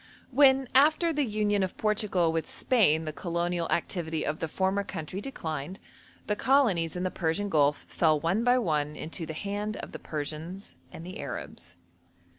When, after the union of Portugal with Spain, the colonial activity of the former country declined, the colonies in the Persian Gulf fell one by one into the hand of the Persians and Arabs.